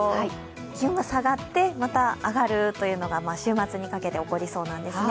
気温が下がってまた上がるというのが週末にかけて起こりそうなんですね。